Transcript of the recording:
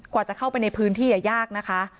กว่าจะเข้าไปในพื้นที่ยากนะคะ